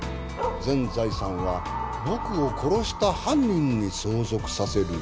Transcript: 全財産は僕を殺した犯人に相続させる」